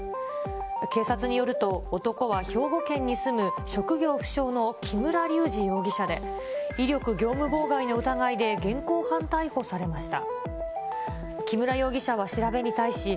警察によると、男は兵庫県に住む職業不詳の木村隆二容疑者で、威力業務妨害の疑いで現行犯逮捕されました。